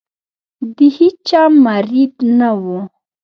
د هیچا مرید نه وو.